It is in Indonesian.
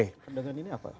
tandangan ini apa